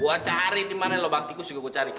gua cari dimana lobang tikus juga gua cari